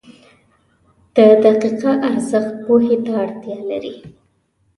• د دقیقه ارزښت پوهې ته اړتیا لري.